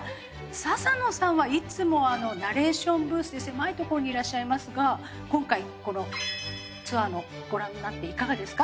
笹野さんはいつもナレーションブースっていう狭いところにいらっしゃいますが今回このツアーのご覧になっていかがですか？